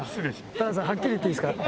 高田さんはっきり言っていいですか。